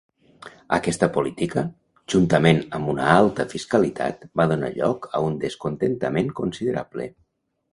Aquesta política, juntament amb una alta fiscalitat, va donar lloc a un descontentament considerable.